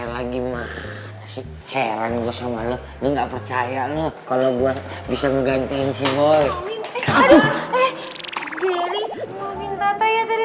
lagi mah heran gua sama lu lu nggak percaya lu kalau gua bisa ngegantiin si boy